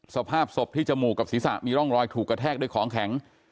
สภาพศพที่จมูกกับศีรษะมีร่องรอยถูกกระแทกด้วยของแข็ง